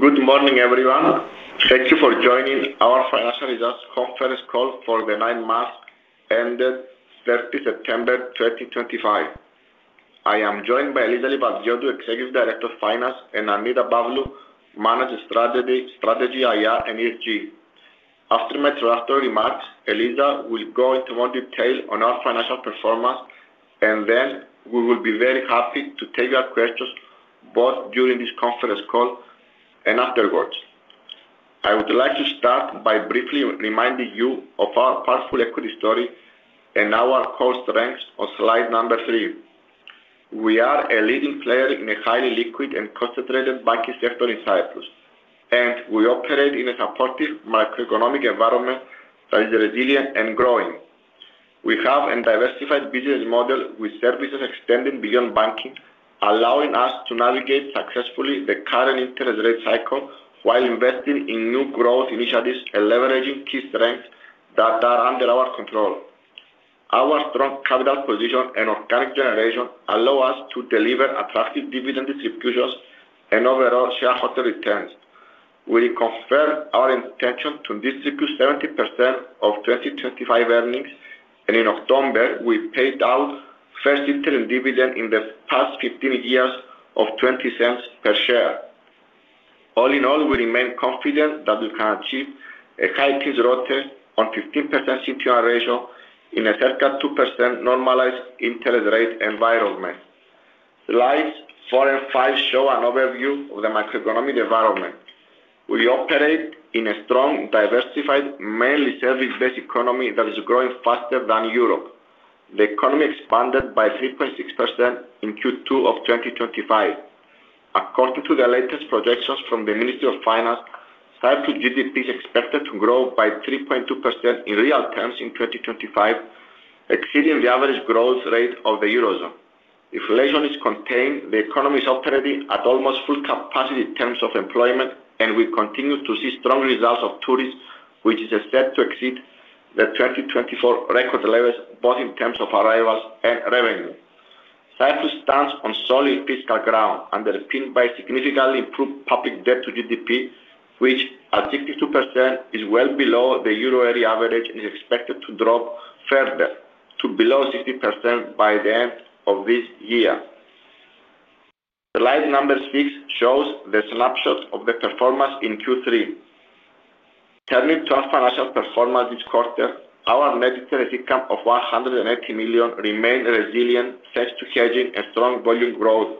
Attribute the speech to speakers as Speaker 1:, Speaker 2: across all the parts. Speaker 1: Good morning, everyone. Thank you for joining our financial results conference call for the nine months ended 30 September 2025. I am joined by Eliza Livadiotou, Executive Director of Finance, and Annita Pavlou, Managing Director of Strategy, IR, and ESG. After my introductory remarks, Eliza will go into more detail on our financial performance, and then we will be very happy to take your questions both during this conference call and afterwards. I would like to start by briefly reminding you of our powerful equity story and our core strengths on slide number 3. We are a leading player in a highly liquid and concentrated banking sector in Cyprus, and we operate in a supportive macroeconomic environment that is resilient and growing. We have a diversified business model with services extending beyond banking, allowing us to navigate successfully the current interest rate cycle while investing in new growth initiatives and leveraging key strengths that are under our control. Our strong capital position and organic generation allow us to deliver attractive dividend distributions and overall shareholder returns. We confirmed our intention to distribute 70% of 2025 earnings, and in October, we paid out first-installing dividend in the past 15 years of 0.20 per share. All in all, we remain confident that we can achieve a high teens ROTE on 15% CET1 ratio in a circa 2% normalized interest rate environment. Slides 4 and 5 show an overview of the macroeconomic environment. We operate in a strong, diversified, mainly service-based economy that is growing faster than Europe. The economy expanded by 3.6% in Q2 of 2025. According to the latest projections from the Ministry of Finance, Cyprus GDP is expected to grow by 3.2% in real terms in 2025, exceeding the average growth rate of the Eurozone. If inflation is contained, the economy is operating at almost full capacity in terms of employment, and we continue to see strong results of tourism, which is set to exceed the 2024 record levels both in terms of arrivals and revenue. Cyprus stands on solid fiscal ground underpinned by significantly improved public debt to GDP, which at 62% is well below the Euro area average and is expected to drop further to below 60% by the end of this year. Slide number 6 shows the snapshot of the performance in Q3. Turning to our financial performance this quarter, our net interest income of 180 million remained resilient thanks to hedging and strong volume growth,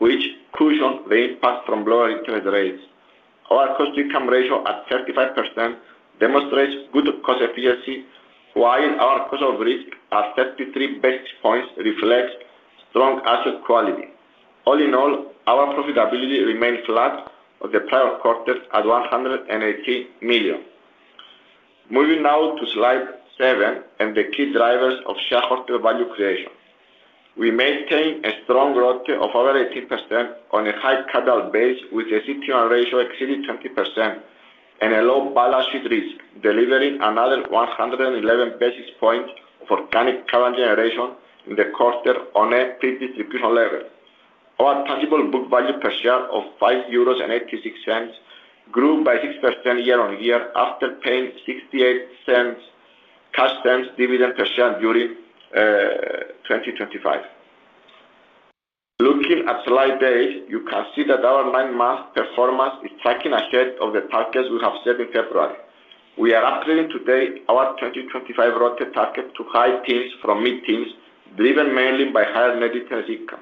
Speaker 1: which cushioned the impact from lower interest rates. Our cost to income ratio at 35% demonstrates good cost efficiency, while our cost of risk at 33 basis points reflects strong asset quality. All in all, our profitability remained flat on the prior quarter at 180 million. Moving now to slide 7 and the key drivers of shareholder value creation. We maintain a strong growth of over 18% on a high capital base, with a CET1 ratio exceeding 20% and a low balance sheet risk, delivering another 111 basis points of organic capital generation in the quarter on a pre-distribution level. Our tangible book value per share of 5.86 euros grew by 6% year-on-year after paying 0.68 cash dividend per share during 2025. Looking at slide 8, you can see that our 9-month performance is tracking ahead of the targets we have set in February. We are upgrading today our 2025 ROTE target to high teens from mid-teens, driven mainly by higher net interest income.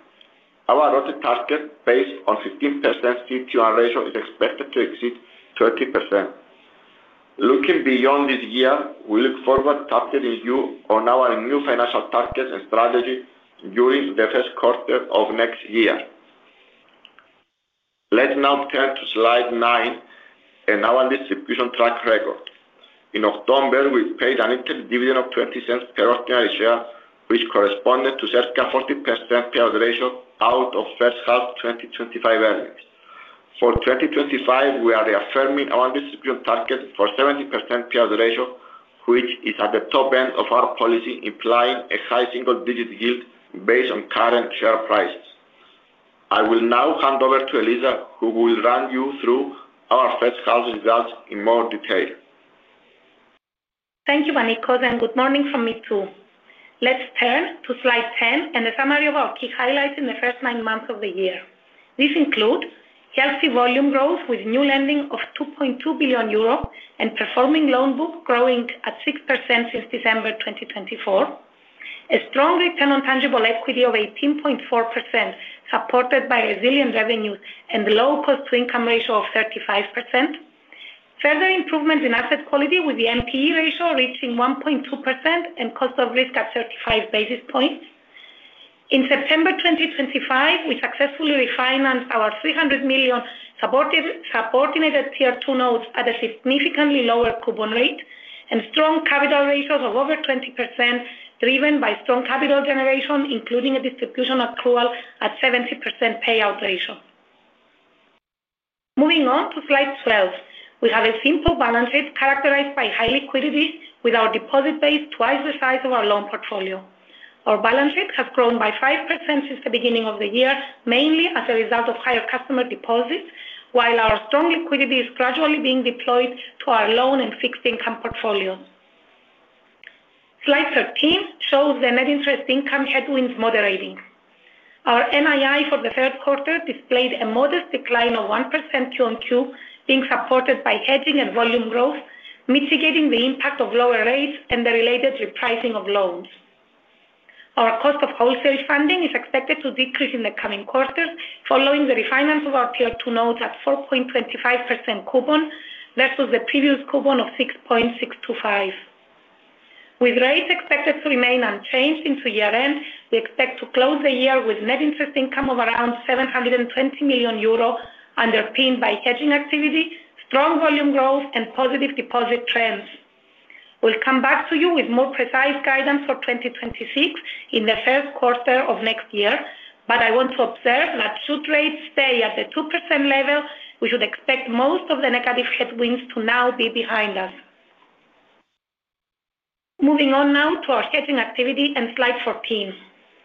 Speaker 1: Our ROTE target, based on 15% CET1 ratio, is expected to exceed 30%. Looking beyond this year, we look forward to updating you on our new financial targets and strategy during the first quarter of next year. Let's now turn to slide nine and our distribution track record. In October, we paid an interim dividend of 0.20 per ordinary share, which corresponded to circa 40% payout ratio out of first half 2025 earnings. For 2025, we are reaffirming our distribution target for 70% payout ratio, which is at the top end of our policy, implying a high single-digit yield based on current share prices. I will now hand over to Eliza, who will run you through our first half results in more detail.
Speaker 2: Thank you, Panicos, and good morning from me too. Let's turn to slide 10 and the summary of our key highlights in the first nine months of the year. These include healthy volume growth with new lending of 2.2 billion euro and performing loan book growing at 6% since December 2024, a strong return on tangible equity of 18.4% supported by resilient revenues and low cost to income ratio of 35%, further improvements in asset quality with the NPE ratio reaching 1.2% and cost of risk at 35 basis points. In September 2025, we successfully refinanced our 300 million subordinated Tier 2 Notes at a significantly lower coupon rate and strong capital ratios of over 20%, driven by strong capital generation, including a distribution accrual at 70% payout ratio. Moving on to slide 12, we have a simple balance sheet characterized by high liquidity with our deposit base twice the size of our loan portfolio. Our balance sheet has grown by 5% since the beginning of the year, mainly as a result of higher customer deposits, while our strong liquidity is gradually being deployed to our loan and fixed income portfolios. Slide 13 shows the net interest income headwinds moderating. Our NII for the third quarter displayed a modest decline of 1% Q-on-Q, being supported by hedging and volume growth, mitigating the impact of lower rates and the related repricing of loans. Our cost of wholesale funding is expected to decrease in the coming quarters following the refinance of our Tier 2 Notes at 4.25% coupon versus the previous coupon of 6.625%. With rates expected to remain unchanged into year end, we expect to close the year with net interest income of around 720 million euro underpinned by hedging activity, strong volume growth, and positive deposit trends. We'll come back to you with more precise guidance for 2026 in the first quarter of next year, but I want to observe that should rates stay at the 2% level, we should expect most of the negative headwinds to now be behind us. Moving on now to our hedging activity and slide 14,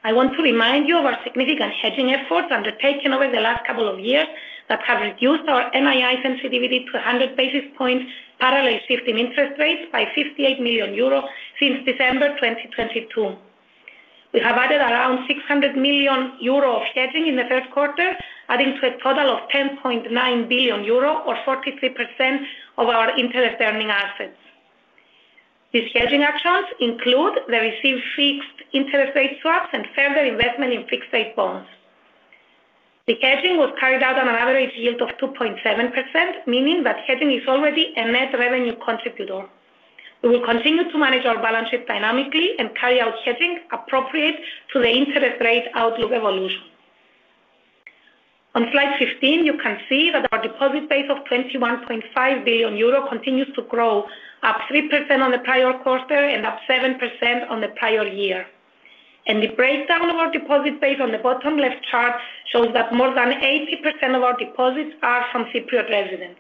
Speaker 2: I want to remind you of our significant hedging efforts undertaken over the last couple of years that have reduced our NII sensitivity to 100 basis points, parallel shifting interest rates by 58 million euro since December 2022. We have added around 600 million euro of hedging in the first quarter, adding to a total of 10.9 billion euro, or 43% of our interest-earning assets. These hedging actions include the received fixed interest rate swaps and further investment in fixed-rate bonds. The hedging was carried out on an average yield of 2.7%, meaning that hedging is already a net revenue contributor. We will continue to manage our balance sheet dynamically and carry out hedging appropriate to the interest rate outlook evolution. On slide 15, you can see that our deposit base of 21.5 billion euro continues to grow, up 3% on the prior quarter and up 7% on the prior year. The breakdown of our deposit base on the bottom left chart shows that more than 80% of our deposits are from Cypriot residents.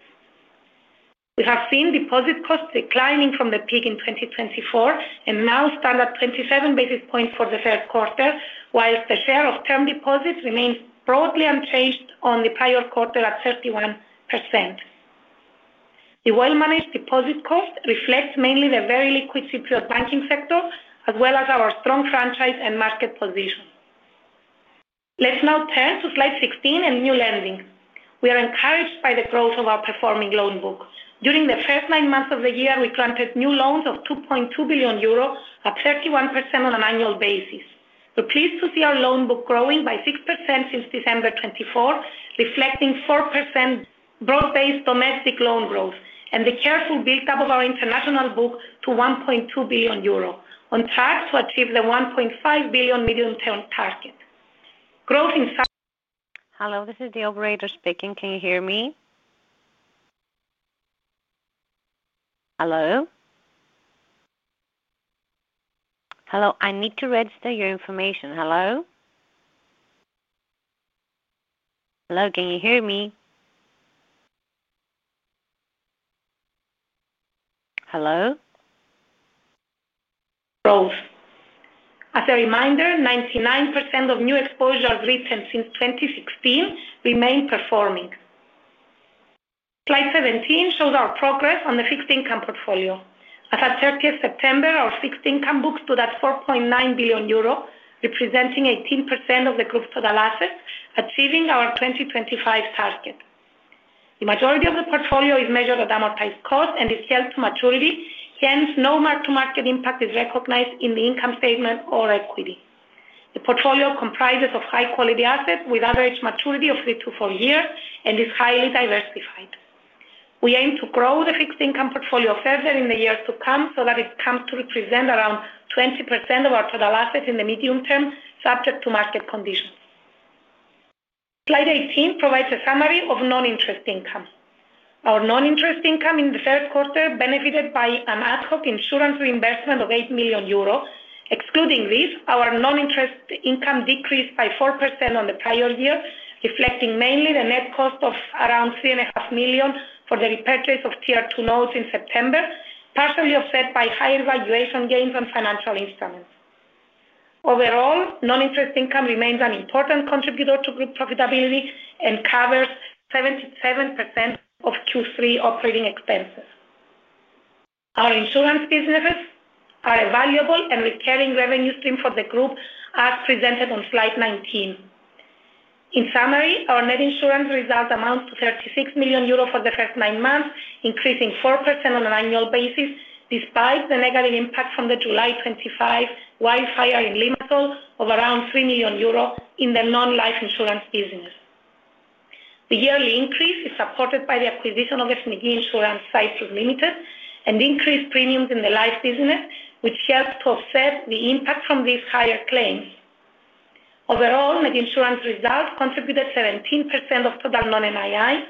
Speaker 2: We have seen deposit costs declining from the peak in 2024 and now stand at 27 basis points for the first quarter, while the share of term deposits remains broadly unchanged on the prior quarter at 31%. The well-managed deposit cost reflects mainly the very liquid Cypriot banking sector, as well as our strong franchise and market position. Let's now turn to slide 16 and new lending. We are encouraged by the growth of our performing loan book. During the first nine months of the year, we granted new loans of 2.2 billion euro, at 31% on an annual basis. We're pleased to see our loan book growing by 6% since December 2024, reflecting 4% growth-based domestic loan growth and the careful build-up of our international book to 1.2 billion euro, on track to achieve the 1.5 billion medium-term target. Growth in—
Speaker 3: Hello, this is the operator speaking. Can you hear me? Hello? I need to register your information. Can you hear me?
Speaker 2: Growth. As a reminder, 99% of new exposure retained since 2016 remained performing. Slide 17 shows our progress on the fixed income portfolio. As of 30 September, our fixed income book stood at 4.9 billion euro, representing 18% of the group's total assets, achieving our 2025 target. The majority of the portfolio is measured at amortized cost and is held to maturity, hence, no mark-to-market impact is recognized in the income statement or equity. The portfolio comprises high-quality assets with average maturity of three to four years and is highly diversified. We aim to grow the fixed income portfolio further in the years to come so that it comes to represent around 20% of our total assets in the medium term, subject to market conditions. Slide 18 provides a summary of non-interest income. Our non-interest income in the first quarter benefited by an ad hoc insurance reimbursement of 8 million euros. Excluding this, our non-interest income decreased by 4% on the prior year, reflecting mainly the net cost of around 3.5 million for the repurchase of Tier 2 Notes in September, partially offset by higher valuation gains on financial instruments. Overall, non-interest income remains an important contributor to group profitability and covers 77% of Q3 operating expenses. Our insurance businesses are a valuable and recurring revenue stream for the group, as presented on slide 19. In summary, our net insurance results amount to 36 million euro for the first 9 months, increasing 4% on an annual basis despite the negative impact from the July 25 wildfire in Limassol of around 3 million euro in the non-life insurance business. The yearly increase is supported by the acquisition of Ethniki Insurance Cyprus Limited and increased premiums in the life business, which helped to offset the impact from these higher claims. Overall, net insurance results contributed 17% of total non-NII,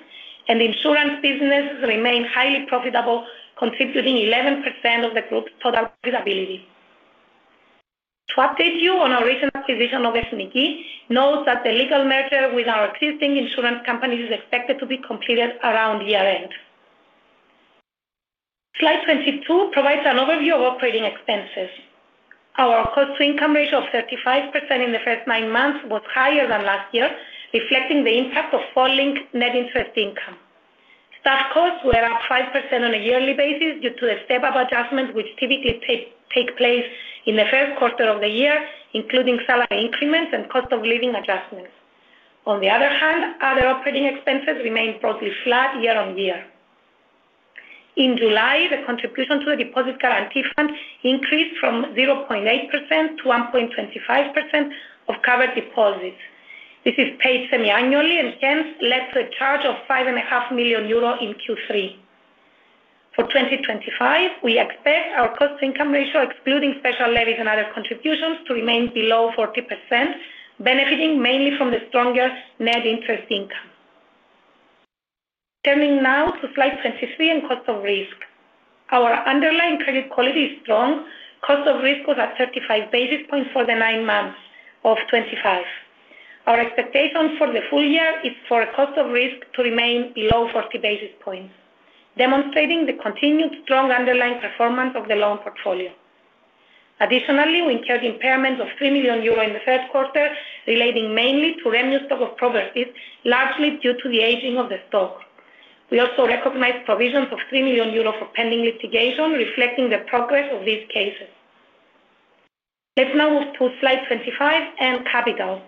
Speaker 2: and the insurance business remained highly profitable, contributing 11% of the group's total profitability. To update you on our recent acquisition of Ethniki, note that the legal merger with our existing insurance companies is expected to be completed around year end. Slide 22 provides an overview of operating expenses. Our cost to income ratio of 35% in the first nine months was higher than last year, reflecting the impact of falling net interest income. Staff costs were up 5% on a yearly basis due to the step-up adjustments, which typically take place in the first quarter of the year, including salary increments and cost of living adjustments. On the other hand, other operating expenses remained broadly flat year-on-year. In July, the contribution to the deposit guarantee fund increased from 0.8% to 1.25% of covered deposits. This is paid semi-annually and hence led to a charge of 5.5 million euro in Q3. For 2025, we expect our cost to income ratio, excluding special levies and other contributions, to remain below 40%, benefiting mainly from the stronger net interest income. Turning now to slide 23 and cost of risk. Our underlying credit quality is strong. Cost of risk was at 35 basis points for the nine months of 2025. Our expectation for the full year is for cost of risk to remain below 40 basis points, demonstrating the continued strong underlying performance of the loan portfolio. Additionally, we incurred impairments of 3 million euro in the third quarter, relating mainly to revenue stock of properties, largely due to the aging of the stock. We also recognize provisions of 3 million euros for pending litigation, reflecting the progress of these cases. Let's now move to slide 25 and capital.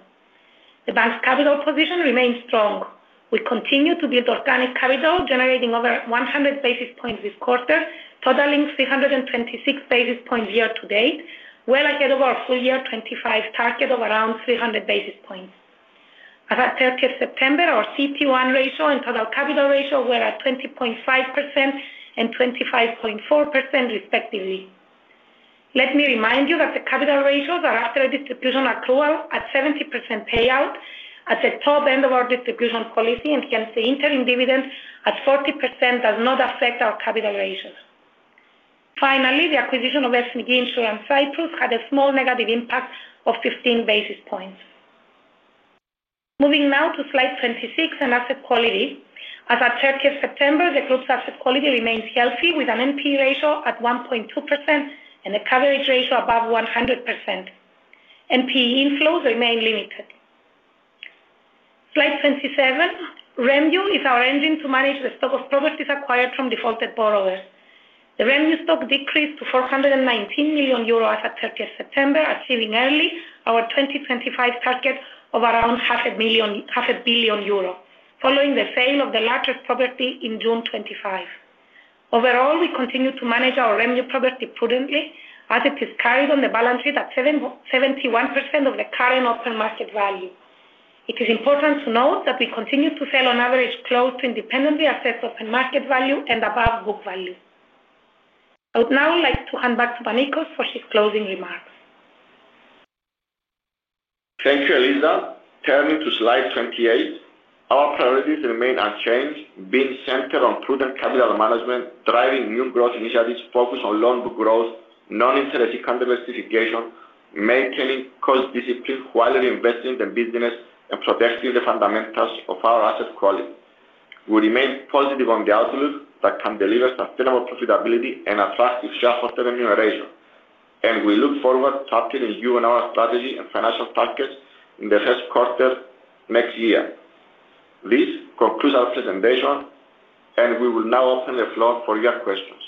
Speaker 2: The bank's capital position remains strong. We continue to build organic capital, generating over 100 basis points this quarter, totaling 326 basis points year to date, well ahead of our full year 2025 target of around 300 basis points. As of 30th September, our CET1 ratio and total capital ratio were at 20.5% and 25.4%, respectively. Let me remind you that the capital ratios are after a distribution accrual at 70% payout at the top end of our distribution policy, and hence the interim dividend at 40% does not affect our capital ratios. Finally, the acquisition of Ethniki Insurance Cyprus had a small negative impact of 15 basis points. Moving now to slide 26 and asset quality. As of 30th September, the group's asset quality remains healthy with an NPE ratio at 1.2% and a coverage ratio above 100%. NPE inflows remain limited. Slide 27, revenue is our engine to manage the stock of properties acquired from defaulted borrowers. The revenue stock decreased to 419 million euro as of 30th September, achieving early our 2025 target of around 500 million euros, following the sale of the largest property in June 2025. Overall, we continue to manage our revenue property prudently, as it is carried on the balance sheet at 71% of the current open market value. It is important to note that we continue to sell on average close to independently assessed open market value and above book value. I would now like to hand back to Panicos for his closing remarks.
Speaker 1: Thank you, Eliza. Turning to slide 28, our priorities remain unchanged, being centered on prudent capital management, driving new growth initiatives focused on loan book growth, non-interest income diversification, maintaining cost discipline while reinvesting the business and protecting the fundamentals of our asset quality. We remain positive on the outlook that can deliver sustainable profitability and attractive shareholder remuneration, and we look forward to updating you on our strategy and financial targets in the first quarter next year. This concludes our presentation, and we will now open the floor for your questions.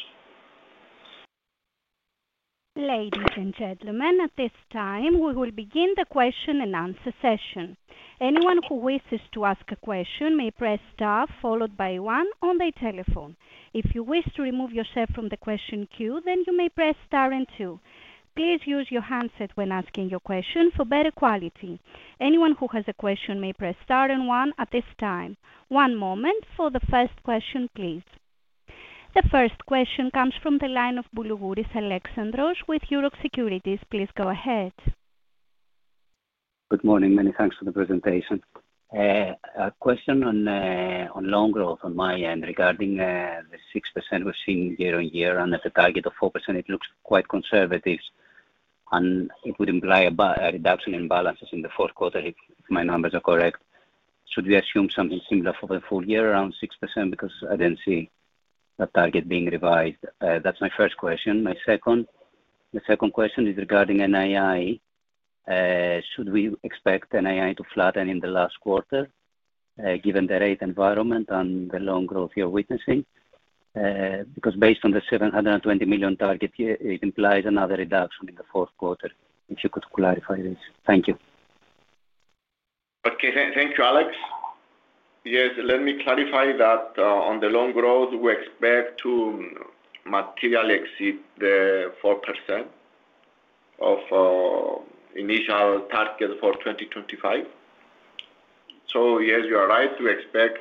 Speaker 3: Ladies and gentlemen, at this time, we will begin the question and answer session. Anyone who wishes to ask a question may press star followed by one on their telephone. If you wish to remove yourself from the question queue, then you may press star and two. Please use your handset when asking your question for better quality. Anyone who has a question may press star and one at this time. One moment for the first question, please. The first question comes from the line of Alexandros Boulougouris with Euroxx Securities. Please go ahead.
Speaker 4: Good morning. Many thanks for the presentation. A question on loan growth on my end regarding the 6% we've seen year-on-year, and at a target of 4%, it looks quite conservative, and it would imply a reduction in balances in the fourth quarter if my numbers are correct. Should we assume something similar for the full year, around 6%, because I don't see that target being revised? That's my first question. My second question is regarding NII. Should we expect NII to flatten in the last quarter, given the rate environment and the loan growth you're witnessing? Because based on the 720 million target, it implies another reduction in the fourth quarter. If you could clarify this. Thank you.
Speaker 1: Okay. Thank you, Alex. Yes, let me clarify that on the loan growth, we expect to materially exceed the 4% of initial target for 2025. Yes, you are right. We expect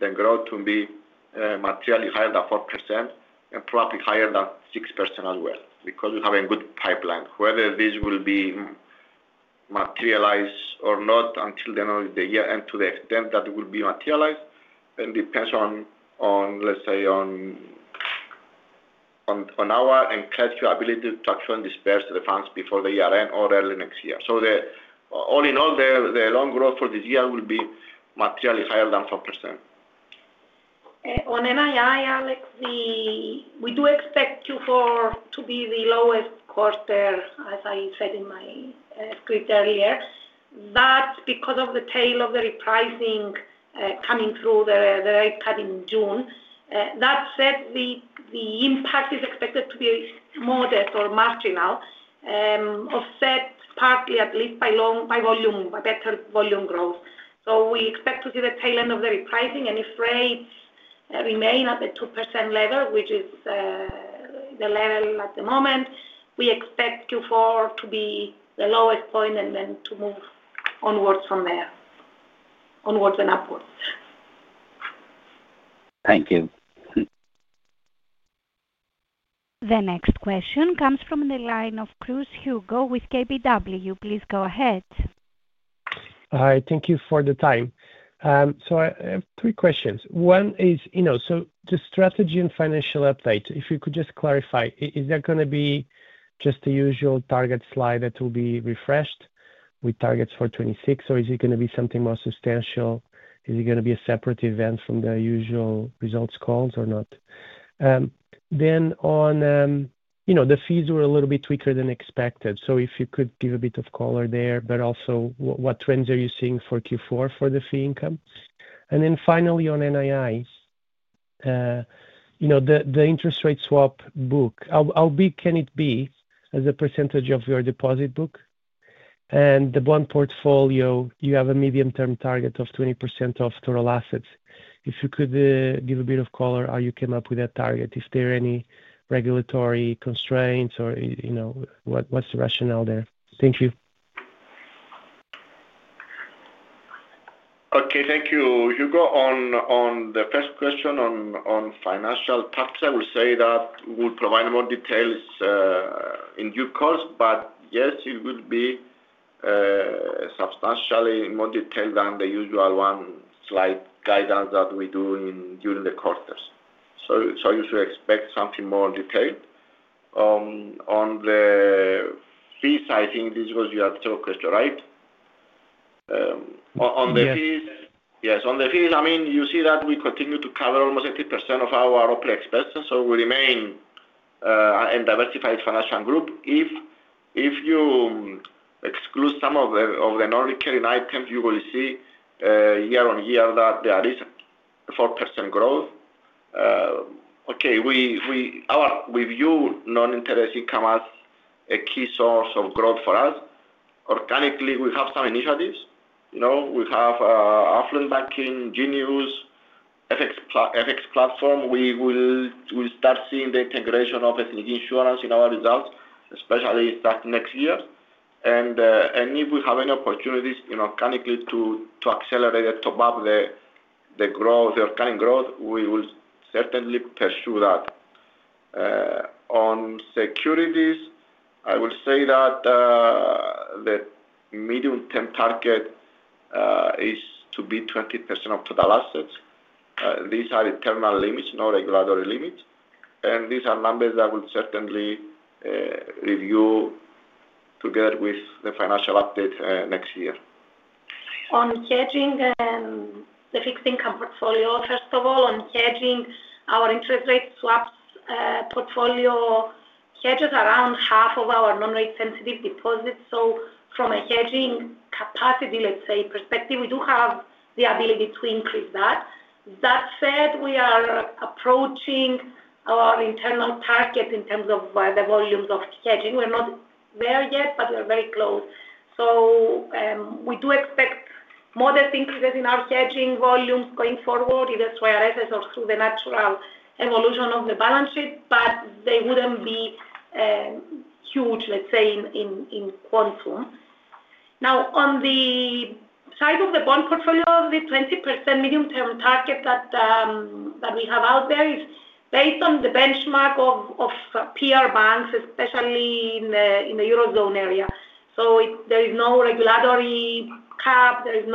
Speaker 1: the growth to be materially higher than 4% and probably higher than 6% as well because we have a good pipeline. Whether this will be materialized or not until the end of the year and to the extent that it will be materialized depends on, let's say, on our incredible ability to actually disburse the funds before the year-end or early next year. All in all, the loan growth for this year will be materially higher than 4%.
Speaker 2: On NII, Alex, we do expect Q4 to be the lowest quarter, as I said in my script earlier. That's because of the tail of the repricing coming through, the rate cut in June. That said, the impact is expected to be modest or marginal, offset partly at least by volume, by better volume growth. We expect to see the tail end of the repricing, and if rates remain at the 2% level, which is the level at the moment, we expect Q4 to be the lowest point and then to move onwards from there, onwards and upwards.
Speaker 4: Thank you.
Speaker 3: The next question comes from the line of Hugo Cruz with KBW. Please go ahead.
Speaker 5: Hi. Thank you for the time. I have three questions. One is, the strategy and financial update, if you could just clarify, is there going to be just the usual target slide that will be refreshed with targets for 2026, or is it going to be something more substantial? Is it going to be a separate event from the usual results calls or not? On the fees, were a little bit weaker than expected. If you could give a bit of color there, but also what trends are you seeing for Q4 for the fee income? Finally, on NIIs, the interest rate swap book, how big can it be as a percentage of your deposit book? The bond portfolio, you have a medium-term target of 20% of total assets. If you could give a bit of color how you came up with that target, if there are any regulatory constraints or what's the rationale there? Thank you.
Speaker 1: Okay. Thank you, Hugo, on the first question on financial taxes, I will say that we'll provide more details in due course, but yes, it will be substantially more detailed than the usual one-slide guidance that we do during the quarters. You should expect something more detailed. On the fees, I think this was your third question, right? On the fees. Yes. Yes. On the fees, I mean, you see that we continue to cover almost 80% of our operating expenses, so we remain a diversified financial group. If you exclude some of the non-recurring items, you will see year-on-year that there is a 4% growth. Okay. With you, non-interest income as a key source of growth for us. Organically, we have some initiatives. We have Affluent Banking, Jinius, FX platform. We will start seeing the integration of Ethniki Insurance in our results, especially starting next year. If we have any opportunities organically to accelerate and top up the organic growth, we will certainly pursue that. On securities, I will say that the medium-term target is to be 20% of total assets. These are internal limits, no regulatory limits. These are numbers that we'll certainly review together with the financial update next year.
Speaker 2: On hedging the fixed income portfolio, first of all, on hedging, our interest rate swaps portfolio hedges around half of our non-rate-sensitive deposits. From a hedging capacity, let's say, perspective, we do have the ability to increase that. That said, we are approaching our internal target in terms of the volumes of hedging. We're not there yet, but we're very close. We do expect modest increases in our hedging volumes going forward, either through our assets or through the natural evolution of the balance sheet, but they would not be huge, let's say, in quantum. On the side of the bond portfolio, the 20% medium-term target that we have out there is based on the benchmark of peer banks, especially in the Eurozone area. There is no regulatory cap. It is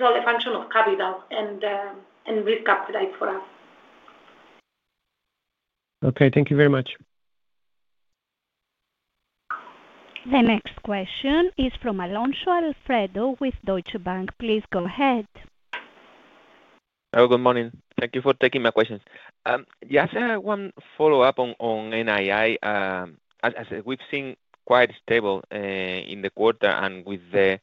Speaker 2: all a function of capital and risk appetite for us.
Speaker 5: Okay. Thank you very much.
Speaker 3: The next question is from Alfredo Alonso with Deutsche Bank. Please go ahead.
Speaker 6: Hello. Good morning. Thank you for taking my questions. Yes, I have one follow-up on NII. As we've seen, quite stable in the quarter and with the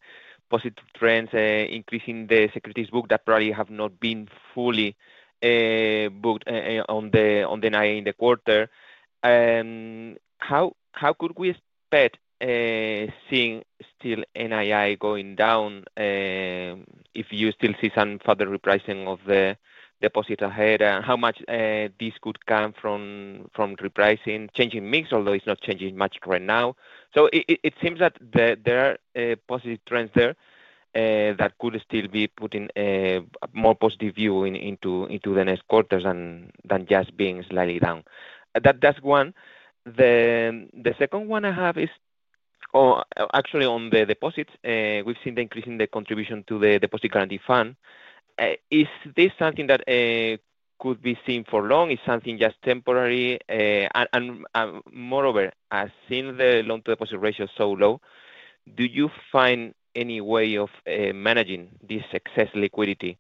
Speaker 6: positive trends, increasing the securities book that probably have not been fully booked on the NII in the quarter. How could we expect seeing still NII going down if you still see some further repricing of the deposit ahead? How much this could come from repricing, changing mix, although it's not changing much right now? It seems that there are positive trends there that could still be putting a more positive view into the next quarter than just being slightly down. That's one. The second one I have is, or actually on the deposits, we've seen the increase in the contribution to the deposit guarantee fund. Is this something that could be seen for long? Is something just temporary? Moreover, seeing the loan-to-deposit ratio so low, do you find any way of managing this excess liquidity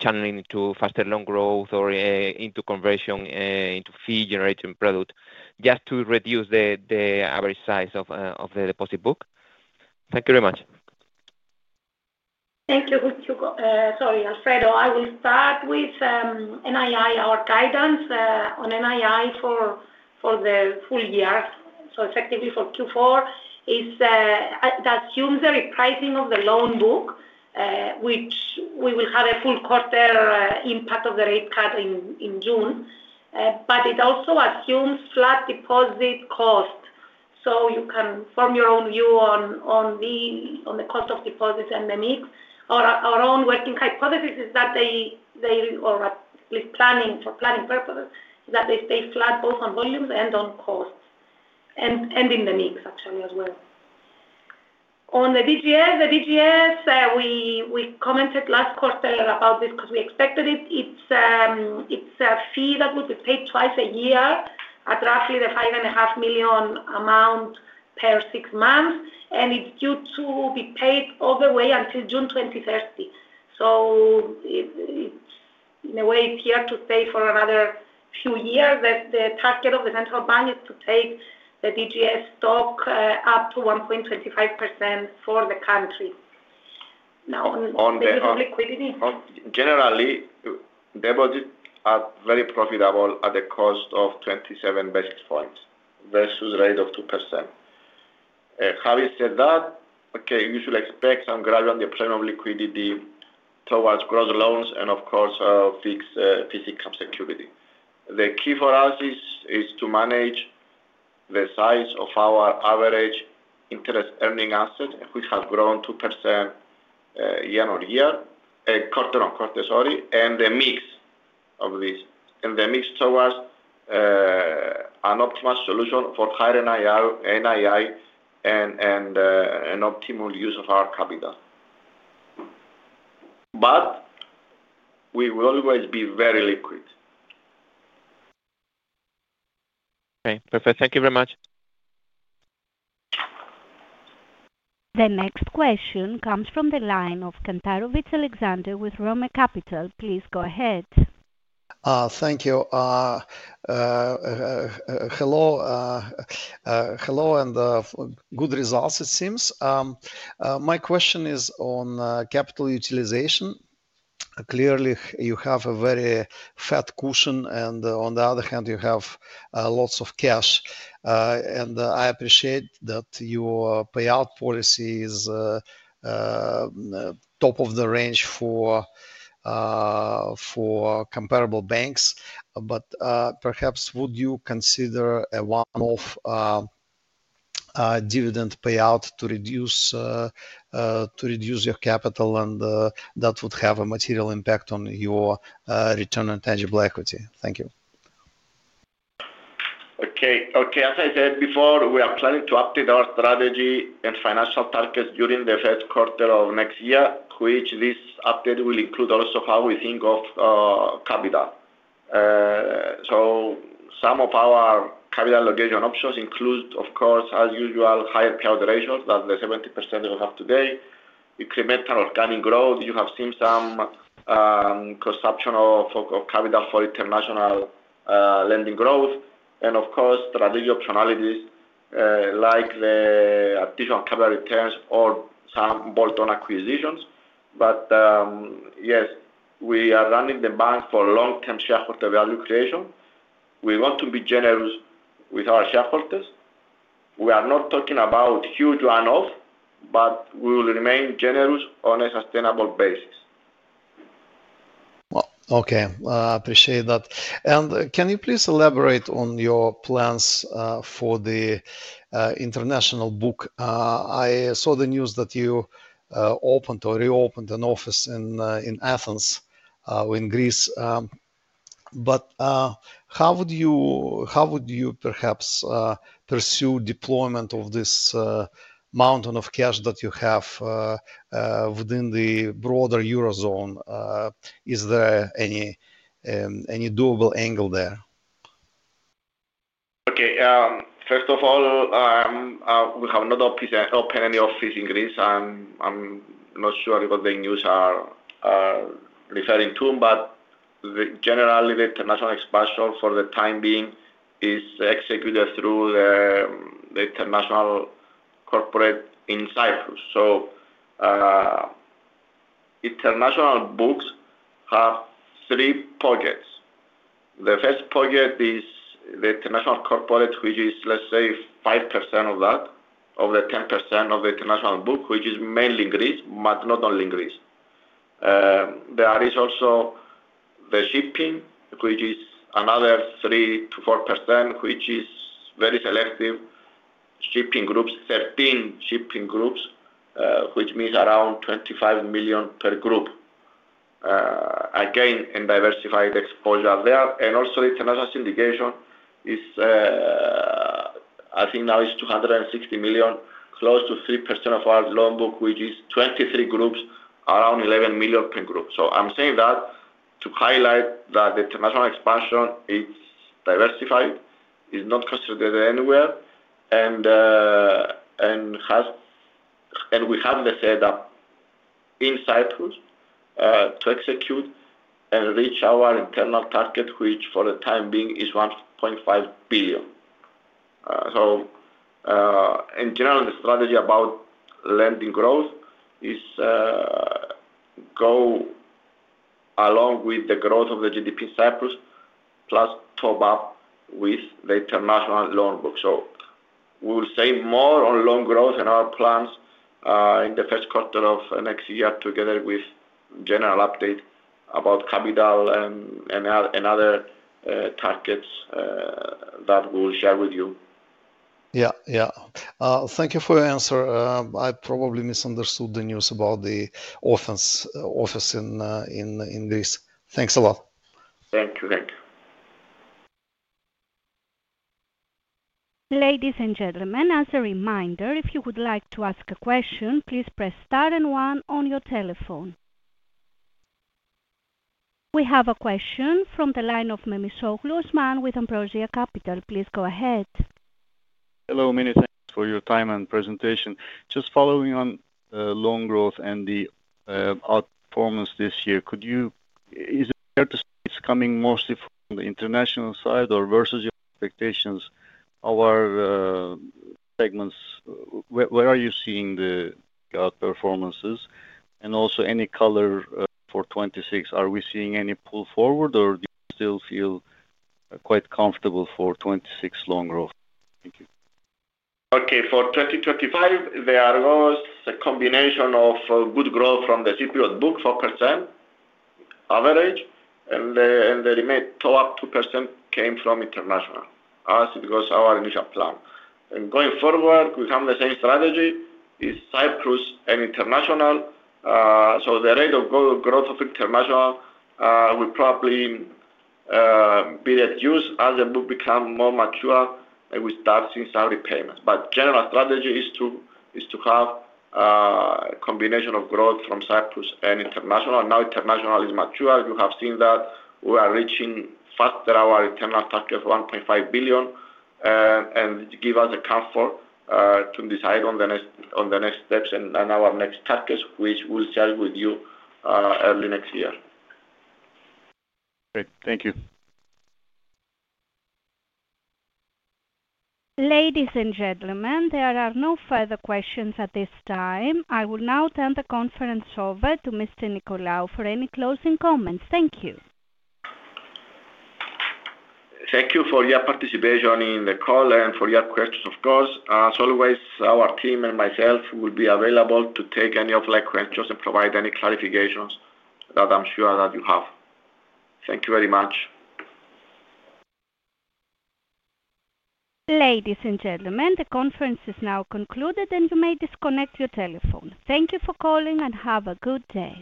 Speaker 6: channeling into faster loan growth or into conversion into fee-generating product just to reduce the average size of the deposit book? Thank you very much.
Speaker 2: Thank you, Hugo. Sorry, Alfredo. I will start with NII, our guidance on NII for the full year. Effectively for Q4, that assumes the repricing of the loan book, which we will have a full quarter impact of the rate cut in June, but it also assumes flat deposit cost. You can form your own view on the cost of deposits and the mix. Our own working hypothesis is that they, or at least for planning purposes, is that they stay flat both on volumes and on costs and in the mix, actually, as well. On the DGS, the DGS, we commented last quarter about this because we expected it. It is a fee that will be paid twice a year at roughly the 5.5 million amount per 6 months, and it is due to be paid all the way until June 2030. In a way, it's here to stay for another few years. The target of the central bank is to take the DGS stock up to 1.25% for the country. Now, in terms of liquidity.
Speaker 1: Generally, they're both very profitable at the cost of 27 basis points versus a rate of 2%. Having said that, okay, you should expect some gradual deployment of liquidity towards growth loans and, of course, fixed income security. The key for us is to manage the size of our average interest-earning asset, which has grown 2% year-on-year, quarter on quarter, sorry, and the mix of this, and the mix towards an optimal solution for higher NII and optimal use of our capital. We will always be very liquid.
Speaker 6: Okay. Perfect. Thank you very much.
Speaker 3: The next question comes from the line of Alexander Kantarovich with Roemer Capital. Please go ahead.
Speaker 7: Thank you. Hello. Hello and good results, it seems. My question is on capital utilization. Clearly, you have a very fat cushion, and on the other hand, you have lots of cash. I appreciate that your payout policy is top of the range for comparable banks, but perhaps would you consider a one-off dividend payout to reduce your capital, and that would have a material impact on your return on tangible equity? Thank you.
Speaker 1: Okay. Okay. As I said before, we are planning to update our strategy and financial targets during the first quarter of next year, which this update will include also how we think of capital. Some of our capital allocation options include, of course, as usual, higher payout ratios than the 70% that we have today, incremental organic growth. You have seen some consumption of capital for international lending growth, and of course, strategic optionalities like the additional capital returns or some bolt-on acquisitions. Yes, we are running the bank for long-term shareholder value creation. We want to be generous with our shareholders. We are not talking about huge one-off, but we will remain generous on a sustainable basis.
Speaker 7: Okay. I appreciate that. Can you please elaborate on your plans for the international book? I saw the news that you opened or reopened an office in Athens in Greece. How would you perhaps pursue deployment of this mountain of cash that you have within the broader Eurozone? Is there any doable angle there?
Speaker 1: Okay. First of all, we have not opened any office in Greece. I'm not sure what the news are referring to, but generally, the international expansion for the time being is executed through the international corporate insights. International books have three pockets. The first pocket is the international corporate, which is, let's say, 5% of that, of the 10% of the international book, which is mainly Greece, but not only Greece. There is also the shipping, which is another 3%-4%, which is very selective shipping groups, 13 shipping groups, which means around 25 million per group. Again, in diversified exposure there. Also, the international syndication is, I think now it's 260 million, close to 3% of our loan book, which is 23 groups, around 11 million per group. I'm saying that to highlight that the international expansion, it's diversified, is not concentrated anywhere, and we have the setup in Cyprus to execute and reach our internal target, which for the time being is 1.5 billion. In general, the strategy about lending growth is to go along with the growth of the GDP Cyprus, plus top up with the international loan book. We will say more on loan growth and our plans in the first quarter of next year together with general update about capital and other targets that we will share with you.
Speaker 7: Yeah. Yeah. Thank you for your answer. I probably misunderstood the news about the office in Greece. Thanks a lot.
Speaker 1: Thank you. Thank you.
Speaker 3: Ladies and gentlemen, as a reminder, if you would like to ask a question, please press star and one on your telephone. We have a question from the line of Osman Memisoglu with Ambrosia Capital. Please go ahead.
Speaker 8: Hello, Minnie. Thanks for your time and presentation. Just following on loan growth and the outperformance this year, is it fair to say it's coming mostly from the international side or versus your expectations? Where are you seeing the outperformances? Also, any color for 2026? Are we seeing any pull forward, or do you still feel quite comfortable for 2026 loan growth? Thank you.
Speaker 1: Okay. For 2025, there was a combination of good growth from the Cypriot book, 4% average, and the remaining top up 2% came from international as it was our initial plan. Going forward, we have the same strategy. It is Cyprus and international. The rate of growth of international will probably be reduced as the book becomes more mature and we start seeing some repayments. The general strategy is to have a combination of growth from Cyprus and international. Now international is mature. You have seen that we are reaching faster our internal target of 1.5 billion, and it gives us a comfort to decide on the next steps and our next targets, which we will share with you early next year.
Speaker 8: Great. Thank you.
Speaker 3: Ladies and gentlemen, there are no further questions at this time. I will now turn the conference over to Mr. Nicolaou for any closing comments. Thank you.
Speaker 1: Thank you for your participation in the call and for your questions, of course. As always, our team and myself will be available to take any offline questions and provide any clarifications that I'm sure that you have. Thank you very much.
Speaker 3: Ladies and gentlemen, the conference is now concluded, and you may disconnect your telephone. Thank you for calling and have a good day.